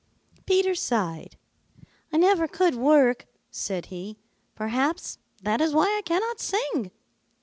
Peter sighed. "I never could work," said he. "Perhaps that is why I cannot sing."